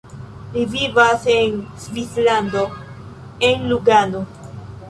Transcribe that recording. Li vivas en Svislando en Lugano.